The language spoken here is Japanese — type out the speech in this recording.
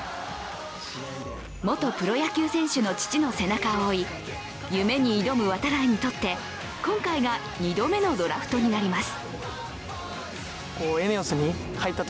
元プロ野球選手の父の背中を追い夢に挑む度会にとって、今回が２度目のドラフトになります。